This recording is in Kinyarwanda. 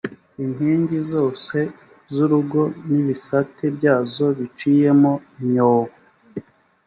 inkingi j zose z urugo n ibisate byazo biciyemo imyobo